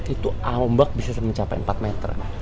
itu ambak bisa mencapai empat meter